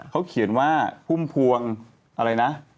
เขาเขียนว่าพุ่มพวงอะไรนะ